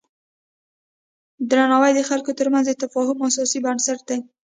درناوی د خلکو ترمنځ د تفاهم اساسي بنسټ دی.